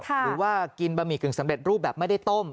หรือว่ากินบะหมี่กึ่งสำเร็จรูปแบบไม่ได้ต้ม